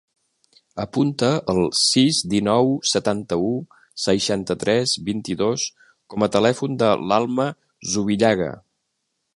Apunta el sis, dinou, setanta-u, seixanta-tres, vint-i-dos com a telèfon de l'Alma Zubillaga.